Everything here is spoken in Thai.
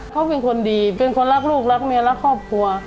เขาเป็นคนดีเป็นคนรักลูกรักเมียรักครอบครัว